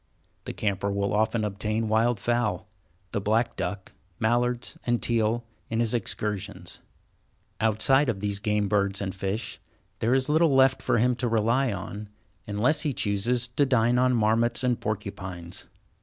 The camper will often obtain wild fowl, the black duck, mallards, and teal, in his excursions. Outside of these game birds and fish, there is little left for him to rely on, unless he chooses to dine on marmots and porcupines.